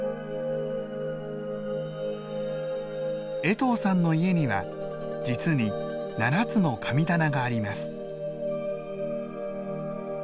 江藤さんの家には実に７つの神棚があります。